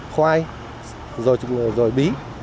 khoai rồi bí